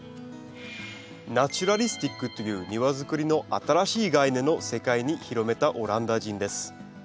ナチュラリスティックという庭づくりの新しい概念を世界に広めたオランダ人です。